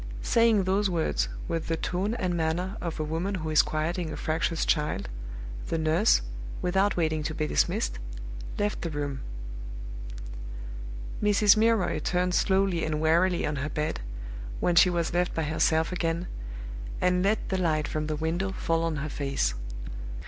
Saying those words, with the tone and manner of a woman who is quieting a fractious child, the nurse, without waiting to be dismissed, left the room. Mrs. Milroy turned slowly and wearily on her bed, when she was left by herself again, and let the light from the window fall on her face.